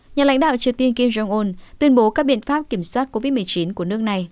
nhà lãnh đạo triều tiên kim jong un tuyên bố các biện pháp kiểm soát covid một mươi chín của nước này